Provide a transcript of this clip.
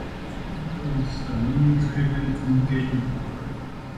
Minicom is a menu-driven communications program.